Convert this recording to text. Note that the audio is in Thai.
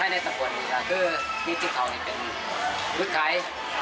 ในตรงบนคือกระติบขาวเป็นพุทธขาย